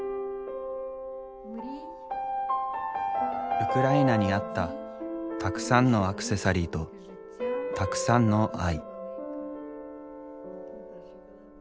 ウクライナにあったたくさんのアクセサリーとたくさんの愛。